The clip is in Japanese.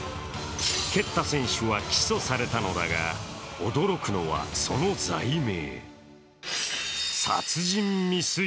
けった選手は起訴されたのだが驚くのは、その罪名。